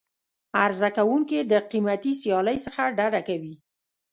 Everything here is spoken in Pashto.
عرضه کوونکي د قیمتي سیالۍ څخه ډډه کوي.